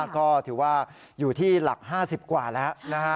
ก็ถือว่าอยู่ที่หลัก๕๐กว่าแล้วนะฮะ